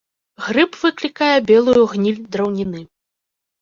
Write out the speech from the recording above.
Грыб выклікае белую гніль драўніны.